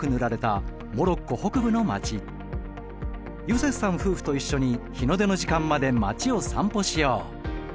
ユセフさん夫婦と一緒に日の出の時間まで街を散歩しよう。